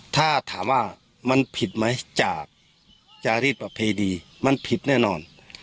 ถ้าถามว่ามันผิดไหมจากจารีสประเพณีมันผิดแน่นอน